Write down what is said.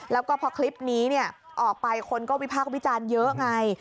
แล้วก็พอคลิปนี้ออกไปคนก็วิพากษ์วิจารณ์เยอะไง